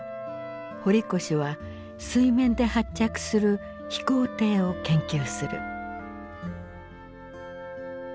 堀越は水面で発着する飛行艇を研究する。